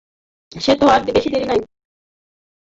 সে তো আর বেশি দেরি নাই।